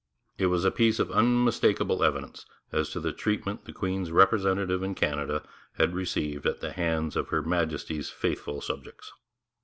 It was a piece of unmistakable evidence as to the treatment the Queen's representative in Canada had received at the hands of Her Majesty's faithful subjects.